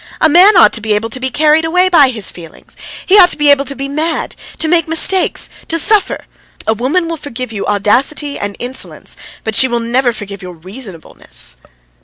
A man ought to be able to be carried away by his feelings, he ought to be able to be mad, to make mistakes, to suffer! A woman will forgive you audacity and insolence, but she will never forgive your reasonableness!"